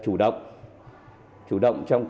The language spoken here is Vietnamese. chủ động trong công tác phòng chống dịch